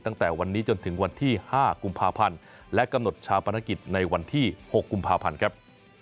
ตั้งแต่วันนี้จนถึงวันที่๕กุมภาพันธ์และกำหนดชาปนกิจในวันที่๖กุมภาพันธ์ครับ